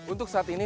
untuk saat ini